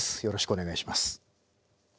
よろしくお願いします。